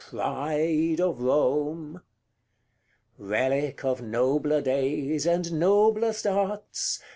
pride of Rome! CXLVII. Relic of nobler days, and noblest arts!